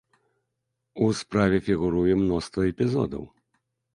У справе фігуруе мноства эпізодаў.